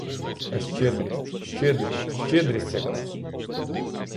А щедрість, щедрість, щедрість яка!